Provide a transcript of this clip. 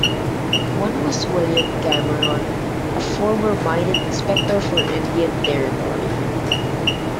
One was William Cameron, a former Mine Inspector for Indian Territory.